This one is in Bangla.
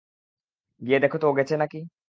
গিয়ে দেখতো ও গেছে না-কি।